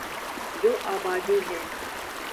جو آبادی ہے۔